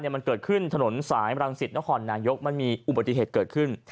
มันเกิดขึ้นถนนสายรังสิตนครนายกมันมีอุบัติเหตุเกิดขึ้น